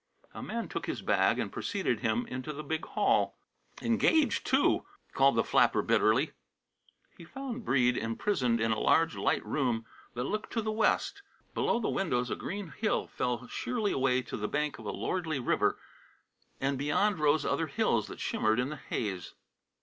A man took his bag and preceded him into the big hall. "Engaged, too!" called the flapper bitterly. He found Breede imprisoned in a large, light room that looked to the west. Below the windows a green hill fell sheerly away to the bank of a lordly river, and beyond rose other hills that shimmered in the haze.